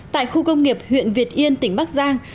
tại khu công nghiệp huyện việt yên tỉnh bắc giang